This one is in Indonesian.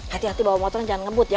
hati hati bawa motor jangan ngebut ya